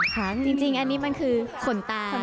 จริงอันนี้มันคือขนตา